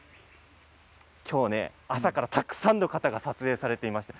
朝からたくさんの方が撮影されていました。